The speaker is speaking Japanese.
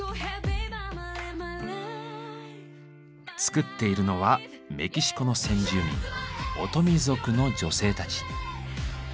作っているのはメキシコの先住民オトミ族の女性たち。